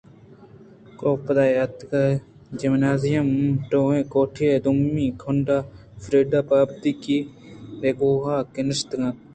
کاف پاد اتک جمنازیم ءِ ٹوہیں کوٹی ءِ دومی کنڈ ءَ فریڈا پہ ابیتکیءُبے گویاکی نشتگ اَت